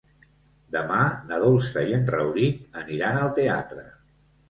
Demà na Dolça i en Rauric aniran al teatre.